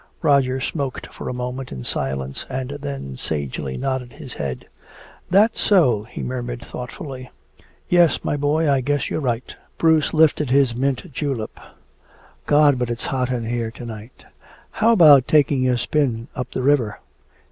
Roger smoked for a moment in silence and then sagely nodded his head. "That's so," he murmured thoughtfully. "Yes, my boy, I guess you're right." Bruce lifted his mint julep: "God, but it's hot in here to night. How about taking a spin up the river?"